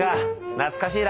懐かしいな。